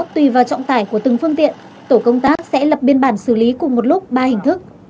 tùy vào trọng tải của từng phương tiện tổ công tác sẽ lập biên bản xử lý cùng một lúc ba hình thức